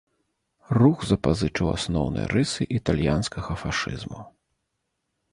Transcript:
Рух запазычыў асноўныя рысы італьянскага фашызму.